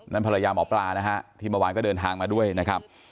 ภรรยาหมอปลานะฮะที่เมื่อวานก็เดินทางมาด้วยนะครับ